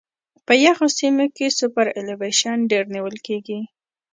په یخو سیمو کې سوپرایلیویشن ډېر نیول کیږي